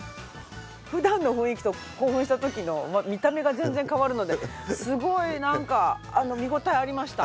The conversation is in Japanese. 普段の雰囲気と興奮した時の見た目が全然変わるのですごいなんか見応えありました。